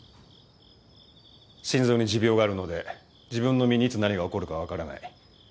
心臓に持病があるので自分の身にいつ何が起こるかわからない。